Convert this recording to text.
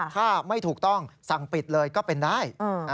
ถ้าไม่ถูกต้องสั่งปิดเลยก็เป็นได้